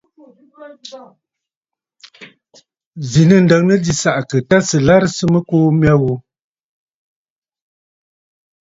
Zǐ nɨ̂ ǹdəŋnə jì sàʼàkə̀ tâ sɨ̀ larɨsə mɨkuu mya ghu.